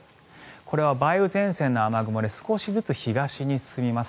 これは梅雨前線の雨雲で少しずつ東に進みます。